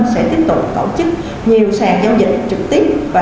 sẽ tiếp tục tổ chức nhiều sàn giao dịch